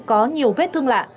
có nhiều vết thương lạ